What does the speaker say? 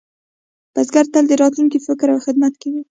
بزګران تل د راتلونکي په فکر او خدمت کې وو.